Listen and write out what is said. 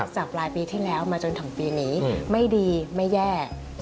จากปลายปีที่แล้วมาจนถึงปีนี้ไม่ดีไม่แย่